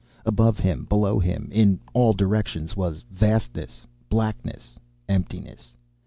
Above him, below him, in all directions was vastness, blackness, emptiness.